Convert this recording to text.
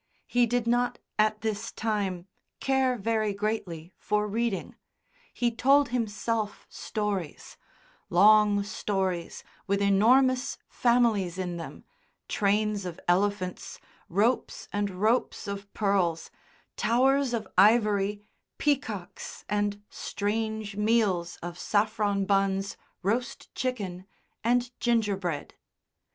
He did not, at this time, care very greatly for reading; he told himself stories long stories with enormous families in them, trains of elephants, ropes and ropes of pearls, towers of ivory, peacocks, and strange meals of saffron buns, roast chicken, and gingerbread.